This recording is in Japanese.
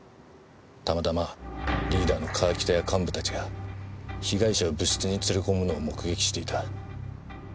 たまたまリーダーの川北や幹部たちが被害者を部室に連れ込むのを目撃していた。